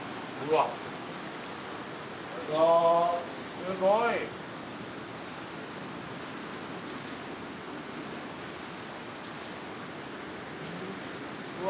すごい！うわ。